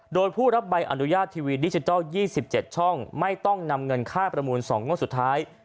โดยผู้รับใบอนุญาตทีวีดิจิทัล๒๗ช่องไม่ต้องนำเงินค่าประมูล๒งวดสุดท้าย